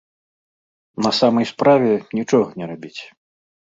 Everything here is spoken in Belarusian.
На самай справе, нічога не рабіць.